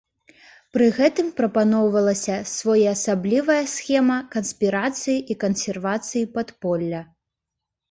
Пры гэтым прапаноўвалася своеасаблівая схема канспірацыі і кансервацыі падполля.